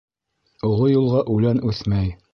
Оло юлға үлән үҫмәй.